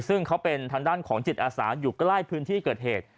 ซึ่งเขาเป็นทางด้านของจิตอาสาอยู่ใกล้พื้นที่เกิดเหตุ